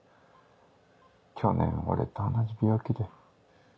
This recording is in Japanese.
去年俺と同じ病気で。